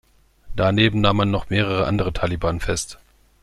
Daneben nahm man noch mehrere andere Taliban fest.